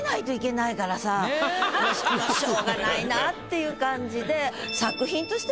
もうしょうがないなっていう感じで。